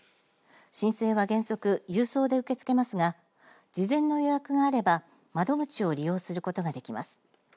申請は原則郵送で受け付けますが事前の予約があれば窓口を利用することができます。